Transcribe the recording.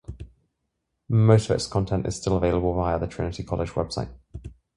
Most of its content is still available via the Trinity College website.